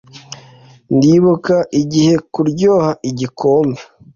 Ndibuka igihekuryoha igikombe